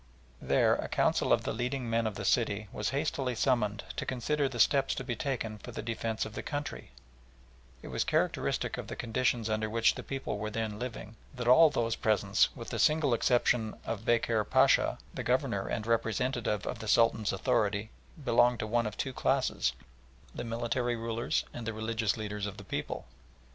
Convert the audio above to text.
There a council of the leading men of the city was hastily summoned to consider the steps to be taken for the defence of the country, and it was characteristic of the conditions under which the people were then living, that all those present, with the single exception of Bekir Pacha, the Governor and representative of the Sultan's authority, belonged to one of two classes the military rulers and the religious leaders of the people.